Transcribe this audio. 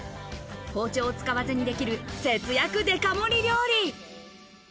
包丁を使わずにできる節約デカ盛り料理。